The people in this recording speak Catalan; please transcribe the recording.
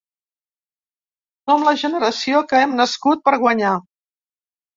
Som la generació que hem nascut per guanyar.